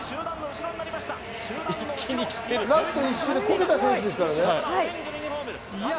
ラスト１周でこけた選手ですからね。